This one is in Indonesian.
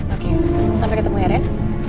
oke sampai ketemu ya ren